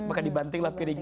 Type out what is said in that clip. maka dibantinglah piring ini